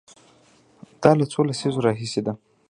دا له څو لسیزو راهیسې ده.